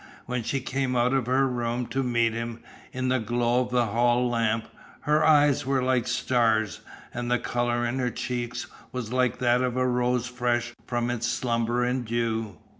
When she came out of her room to meet him, in the glow of a hall lamp, her eyes were like stars, and the colour in her cheeks was like that of a rose fresh from its slumber in dew.